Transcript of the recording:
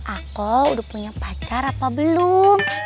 aku udah punya pacar apa belum